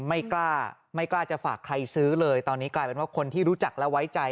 ไม่กล้าไม่กล้าจะฝากใครซื้อเลยตอนนี้กลายเป็นว่าคนที่รู้จักและไว้ใจ